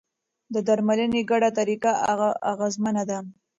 د درملنې ګډه طریقه اغېزمنه ده.